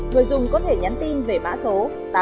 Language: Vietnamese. người dùng có thể nhắn tin về mã số tám nghìn bảy mươi bảy